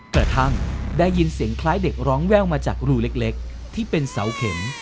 กระทั่งได้ยินเสียงคล้ายเด็กร้องแว่วมาจากรูเล็กที่เป็นเสาเข็ม